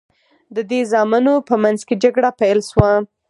د دې زامنو په منځ کې جګړه پیل شوه.